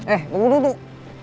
eh tunggu duduk